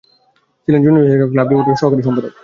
ছিলেন junior researcher, cub reporter, সহকারী সম্পাদক।